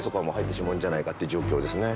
入ってしまうんじゃないかっていう状況ですね。